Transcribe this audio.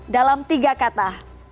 dalam tiga kata